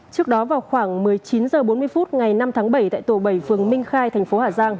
trước đó vào khoảng một mươi chín h bốn mươi phút ngày năm tháng bảy tại tổ bảy phường minh khai thành phố hà giang